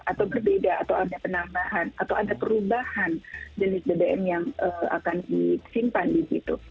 atau berbeda atau ada penambahan atau ada perubahan jenis bbm yang akan disimpan di situ